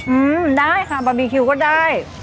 อื้มได้ค่ะบะบีกิวก็ได้